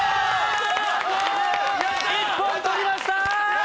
１本とりました！